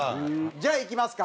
じゃいいきますか。